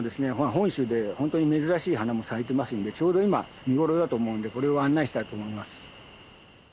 本州で本当に珍しい花も咲いてますんでちょうど今見頃だと思うんでこれを案内したいと思います。